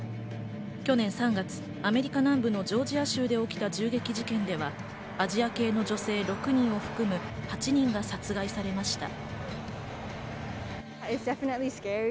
去年３月、アメリカ南部のジョージア州で起きた銃撃事件では、アジア系の女性６人を含む８人が殺害されました。